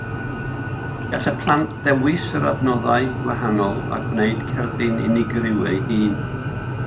Gall y plant ddewis yr adnoddau gwahanol a wneud cerdyn unigryw eu hun.